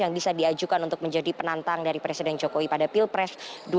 yang bisa diajukan untuk menjadi penantang dari presiden jokowi pada pilpres dua ribu sembilan belas